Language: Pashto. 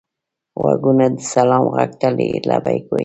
غوږونه د سلام غږ ته لبیک وايي